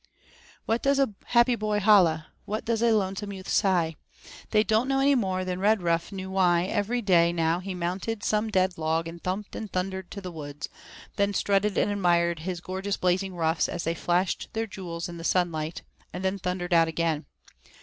Why does a happy boy holla? Why does a lonesome youth sigh? They don't know any more than Redruff knew why every day now he mounted some dead log and thumped and thundered to the woods; then strutted and admired his gorgeous blazing ruffs as they flashed their jewels in the sunlight, and then thundered out again.